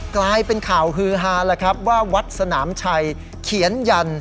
กลายเป็นข่าวฮือฮาแล้วครับว่าวัดสนามชัยเขียนยัน